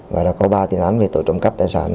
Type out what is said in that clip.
và đã có ba tiền án về tội trộm cắp tài sản